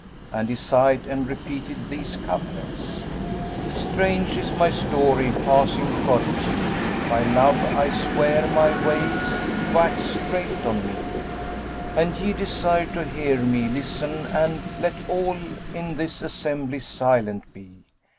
And he sighed and repeated these couplets, "Strange is my story, passing prodigy; * By Love I swear, my ways wax strait on me! An ye desire to hear me, listen, and * Let all in this assembly silent be.